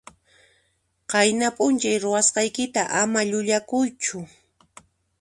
Qayna p'unchay ruwasqaykita ama llullakuychu.